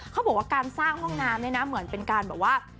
เขาบอกว่าการสร้างห้องน้ำเนี่ยนะเหมือนเป็นการแบบว่า